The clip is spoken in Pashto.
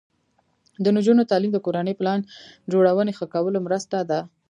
د نجونو تعلیم د کورنۍ پلان جوړونې ښه کولو مرسته ده.